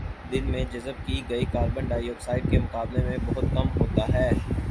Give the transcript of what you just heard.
دن میں جذب کی گئی کاربن ڈائی آکسائیڈ کے مقابلے میں بہت کم ہوتا ہے